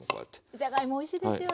じゃがいもおいしいですよね